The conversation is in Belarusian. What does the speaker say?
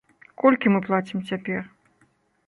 Колькі мы плацім цяпер?